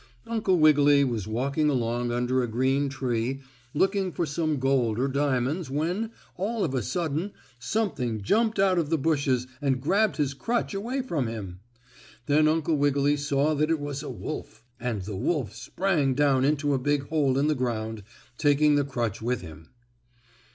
Uncle Wiggily was walking along under a green tree, looking for some gold or diamonds when, all of a sudden something jumped out of the bushes and grabbed his crutch away from him. Then Uncle Wiggily saw that it was a wolf, and the wolf sprang down into a big hole in the ground, taking the crutch with him.